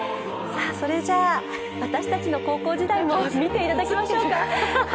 それじゃあ、私たちの高校時代も見ていただきましょうか。